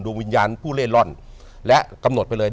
วิญญาณผู้เล่นร่อนและกำหนดไปเลย